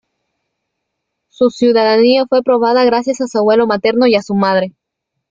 Su ciudadanía fue aprobada gracias a su abuelo materno y a su madre.